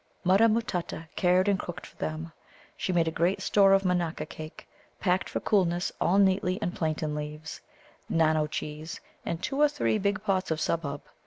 Mutta matutta cared and cooked for them. She made a great store of Manaka cake, packed for coolness all neatly in plantain leaves; Nano cheese, and two or three big pots of Subbub.